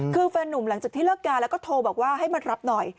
คือแฟนนุ่มหลังจากที่เลิกงานแล้วก็โทรบอกว่าให้มารับหน่อย